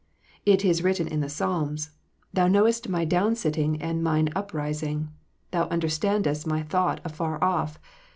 It is written in the Psalms, "Thou knowest my down sitting and mine up rising : Thou understandest my thought afar off.